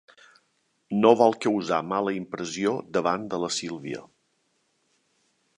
No vol causar mala impressió davant de la Sílvia.